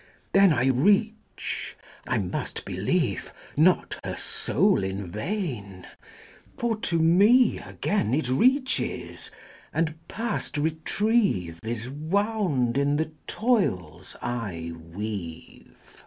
Then I reach, I must believe, Not her soul in vain, For to me again It reaches, and past retrieve Is wound in the toils I weave; XV.